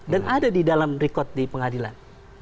dan ada di dalam rekod di pengadilan